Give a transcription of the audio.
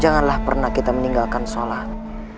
janganlah pernah kita meninggalkan sholat